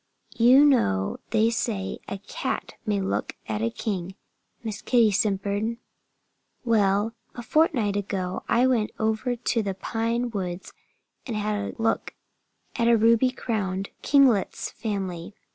"You know they say a cat may look at a king," Miss Kitty simpered. "Well, a fortnight ago I went over to the pine woods and had a look at a Ruby Crowned Kinglet's family.